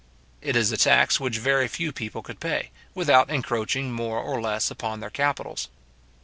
It is a tax which very few people could pay, without encroaching more or less upon their capitals.